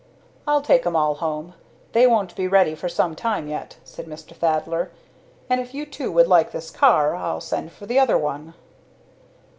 "I'll take 'em all home they won't be ready for some time yet," said Mr. Thaddler. "And if you two would like this car I'll send for the other one."